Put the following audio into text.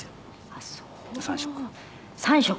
あっそう。